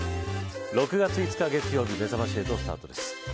６月５日月曜日めざまし８スタートです。